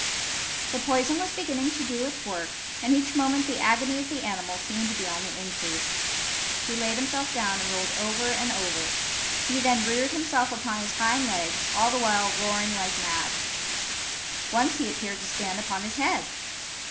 The poison was beginning to do its work, and each moment the agony of the animal seemed to be on the increase. He laid himself down and rolled over and over; he then reared himself upon his hind legs, all the while roaring like mad. Once he appeared to stand upon his head.